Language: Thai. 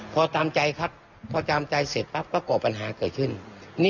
พอตามใจครับพอตามใจเสร็จปั๊บก็ก่อปัญหาเกิดขึ้น